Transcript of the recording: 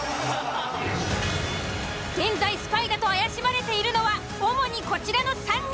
現在スパイだと怪しまれているのは主にこちらの３人。